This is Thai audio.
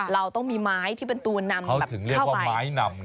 เราต้องมีไม้ที่เป็นตัวนำถึงเรียกว่าไม้นำ